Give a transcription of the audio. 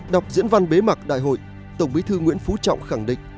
đọc diễn văn bế mạc đại hội tổng bí thư nguyễn phú trọng khẳng định